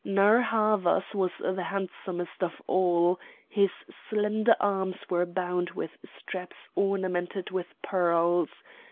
Narr' Havas was the handsomest of all; his slender arms were bound with straps ornamented with pearls.